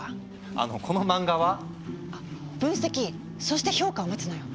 あのこの漫画は？分析そして評価を待つのよ。